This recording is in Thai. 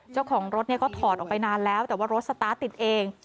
เจ้าของรถก็ถอดออกไปนานแล้วแต่ว่ารถสตาร์ทติดเอง